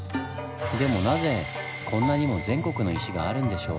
でもなぜこんなにも全国の石があるんでしょう？